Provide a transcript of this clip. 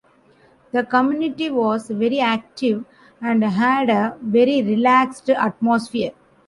The community was very active, and had a very relaxed atmosphere.